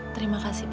terima kasih bu